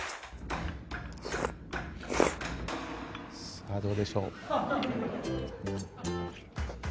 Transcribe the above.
さあどうでしょう？